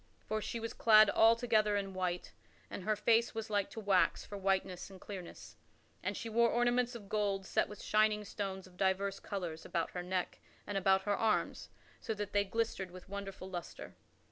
For she was clad altogether in white and her face was like to wax for whiteness and clearness, and she wore ornaments of gold set with shining stones of divers colors about her neck and about her arms so that they glistered with a wonderful lustre.